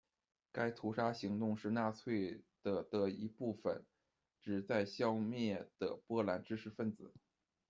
该屠杀行动是纳粹的的一部分，旨在消灭的波兰知识分子。